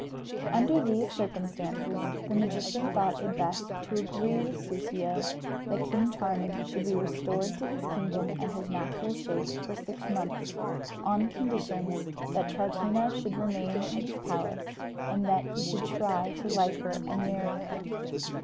Under these circumstances the magician thought it best to agree with Soussio that King Charming should be restored to his kingdom and his natural shape for six months, on condition that Troutina should remain in his palace, and that he should try to like her and marry her.